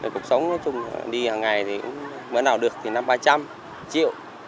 cục sống nói chung là đi hằng ngày thì mỗi nào được thì năm trăm linh ba trăm linh triệu